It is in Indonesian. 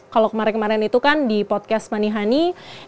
kalau kemarin kemarin itu kan di podcast money honey